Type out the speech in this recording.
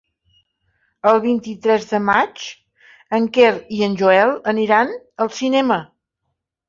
El vint-i-tres de maig en Quer i en Joel aniran al cinema.